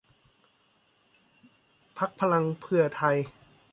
พรรคพลังเพื่อไทย